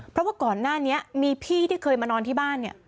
เพราะว่าก่อนหน้านี้มีพี่ที่เคยมานอนที่บ้านเนี่ย